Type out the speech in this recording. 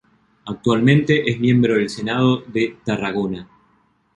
Actualmente es miembro del Senado de Tarragona.